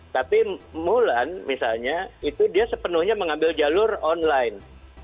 tapi mulan misalnya itu dia sepenuhnya mengambil jalur online